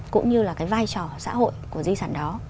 cũng như là cái vai trò xã hội của di sản đó